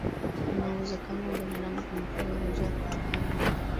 Kuna uwezekano wa binadamu kuambukizwa ugonjwa wa kutupa mimba